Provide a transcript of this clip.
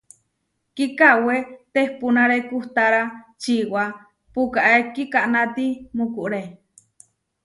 Kikawé tehpúnare kuhtára čiwá pukaé kikanáti mukuré.